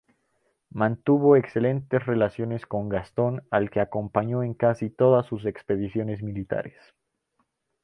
Mantuvo excelentes relaciones con Gastón, al que acompañó en casi todas sus expediciones militares.